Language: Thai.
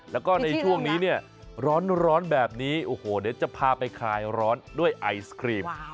แล้วก็ในช่วงนี้เนี่ยร้อนแบบนี้โอ้โหเดี๋ยวจะพาไปคลายร้อนด้วยไอศครีม